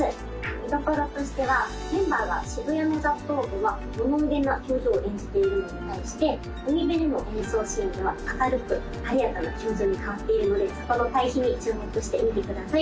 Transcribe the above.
見どころとしてはメンバーが渋谷の雑踏では物憂げな表情を演じているのに対して海辺での演奏シーンでは明るく晴れやかな表情に変わっているのでそこの対比に注目して見てください